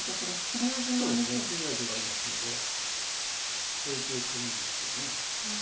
切り味はありますので整形するんでしょう。